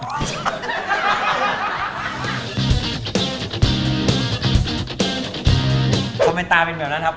ทำไมตาเป็นแบบนั้นครับ